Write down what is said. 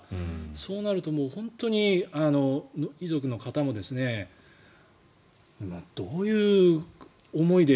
そうなると、本当に遺族の方もどういう思いで。